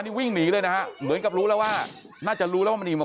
นี่วิ่งหนีเลยนะฮะเหมือนกับรู้แล้วว่าน่าจะรู้แล้วว่ามณีมา